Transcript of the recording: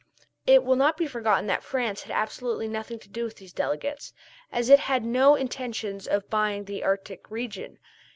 It will not be forgotten that France had absolutely nothing to do with these delegates, as it had no intentions of buying the Arctic region.